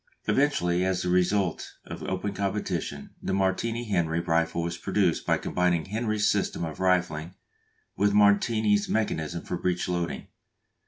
Eventually as the result of open competition the Martini Henry rifle was produced by combining Henry's system of rifling with Martini's mechanism for breech loading.